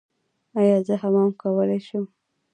ایا زه حمام کولی شم؟